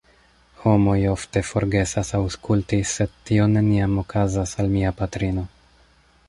Homoj ofte forgesas aŭskulti sed tio neniam okazas al mia patrino.